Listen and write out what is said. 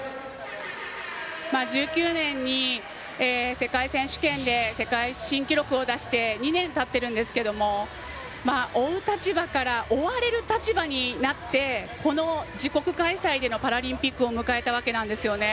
１９年に世界選手権で世界新記録を出して２年たってるんですけど追う立場から追われる立場になってこの自国開催でのパラリンピックを迎えたわけなんですね。